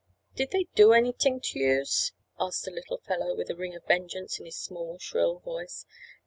"Did they do anyt'ing to youse?" asked a little fellow with a ring of vengeance in his small, shrill voice.